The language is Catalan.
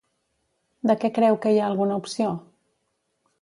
De què creu que hi ha alguna opció?